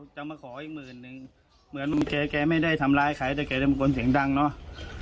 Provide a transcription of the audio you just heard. จะมาขออีกหมื่นนึงเหมือนแกแกไม่ได้ทำร้ายใครแต่แกจะเป็นคนเสียงดังเนอะ